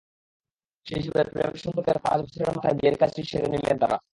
সেই হিসেবে প্রেমের সম্পর্কের পাঁচ বছরের মাথায় বিয়ের কাজটি সেরে নিলেন তাঁরা।